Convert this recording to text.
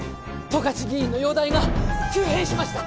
十勝議員の容体が急変しました！